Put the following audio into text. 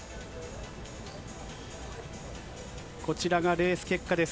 こちらがレース結果です。